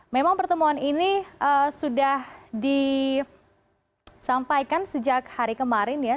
memang pertemuan ini sudah disampaikan sejak hari kemarin ya